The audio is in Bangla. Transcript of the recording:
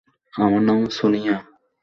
আমার নাম সোনিয়া।